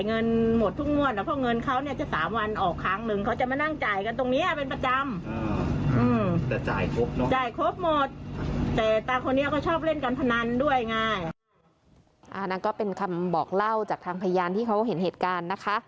นั่นก็เป็นคำบอกเล่าจากทางพยานที่เขาเห็นเหตุการณ์นะคะ